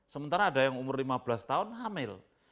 sementara ada yang umur lima belas tahun hamil